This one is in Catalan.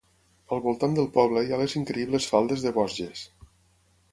Al voltant del poble hi ha les increïbles faldes de Vosges.